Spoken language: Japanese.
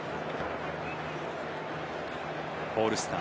オールスター